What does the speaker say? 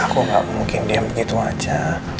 aku gak mungkin diam begitu saja